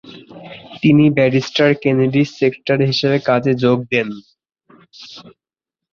তিনি ব্যারিস্টার কেনেডীর সেক্রেটারি হিসাবে কাজে যোগ দেন।